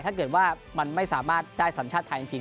ถ้าเกิดว่ามันไม่สามารถได้สัญชาติไทยจริง